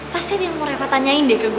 pasti ada yang mau reva tanyain deh ke gue